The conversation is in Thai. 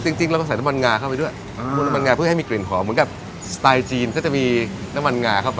นี่มันมาจากประสบการณ์ของนักชิมจริงนะ